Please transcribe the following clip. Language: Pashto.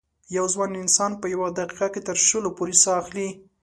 یو ځوان انسان په یوه دقیقه کې تر شلو پورې سا اخلي.